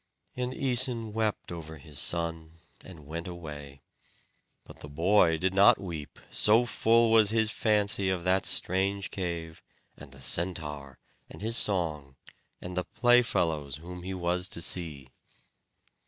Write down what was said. And Æson wept over his son and went away; but the boy did not weep, so full was his fancy of that strange cave, and the Centaur, and his song, and the playfellows whom he was to see.